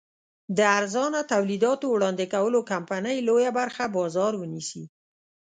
د ارزانه تولیداتو وړاندې کولو کمپنۍ لویه برخه بازار ونیسي.